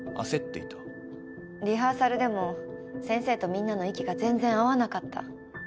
リハーサルでも先生とみんなの息が全然合わなかった。